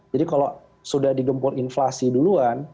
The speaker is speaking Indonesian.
jadi kalau sudah digempur inflasi duluan